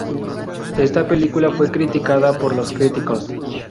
Esta película fue criticada por los críticos.